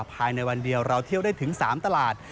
ภายในวันเดียวเราเที่ยวได้ถึง๓ตลาด